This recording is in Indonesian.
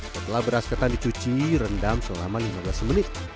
setelah beras ketan dicuci rendam selama lima belas menit